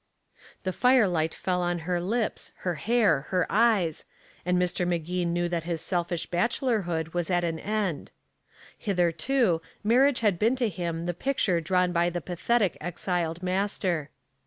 The firelight fell on her lips, her hair, her eyes, and Mr. Magee knew that his selfish bachelorhood was at an end. Hitherto, marriage had been to him the picture drawn by the pathetic exiled master.